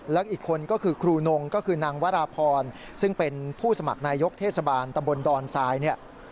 แล้วอีกคนก็คือครูนงก็คือนางวราพรซึ่งเป็นผู้สมัครนายกเทศบาลตำบลดอนทรายเนี่ย